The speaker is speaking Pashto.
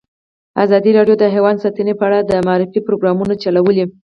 ازادي راډیو د حیوان ساتنه په اړه د معارفې پروګرامونه چلولي.